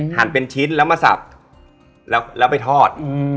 หั่นเป็นชิ้นแล้วมาสับแล้วไปทอด